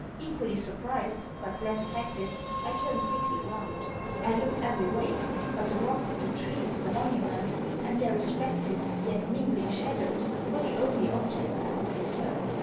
Equally surprised, but less affected, I turned quickly round. I looked every way: but the rock, the trees, the monument, and their respective yet mingling shadows, were the only objects I could discern.